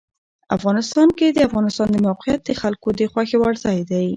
افغانستان کې د افغانستان د موقعیت د خلکو د خوښې وړ ځای دی.